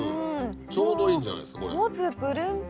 ちょうどいいんじゃないですかこれ。